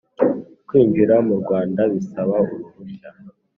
kwinjira mu Rwanda bisaba uruhushya